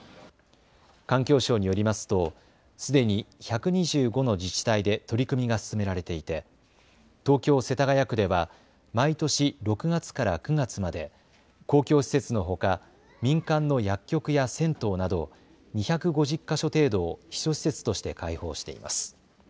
環境省によりますとすでに１２５の自治体で取り組みが進められていて東京世田谷区では毎年６月から９月まで公共施設のほか民間の薬局や銭湯など２５０か所程度を避暑施設として開放しています。